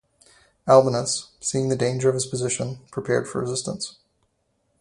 Albinus, seeing the danger of his position, prepared for resistance.